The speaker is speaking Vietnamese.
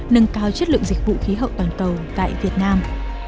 nâng cao chất lượng dịch vụ khí hậu toàn cầu tại việt nam